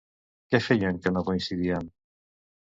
Quant feia que no coincidien?